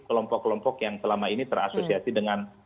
kelompok kelompok yang selama ini terasosiasi dengan